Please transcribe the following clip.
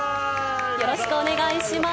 よろしくお願いします。